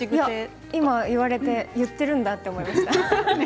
今、言われて言っているんだと思いました。